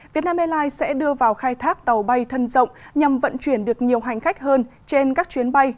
việt nam airlines sẽ đưa vào khai thác tàu bay thân rộng nhằm vận chuyển được nhiều hành khách hơn trên các chuyến bay